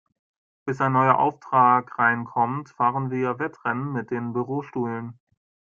Bis ein neuer Auftrag reinkommt, fahren wir Wettrennen mit den Bürostühlen.